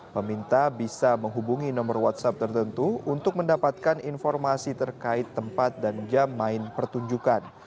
peminta bisa menghubungi nomor whatsapp tertentu untuk mendapatkan informasi terkait tempat dan jam main pertunjukan